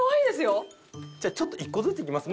じゃあちょっと１個ずついきます。